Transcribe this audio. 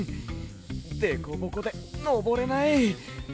デコボコでのぼれない。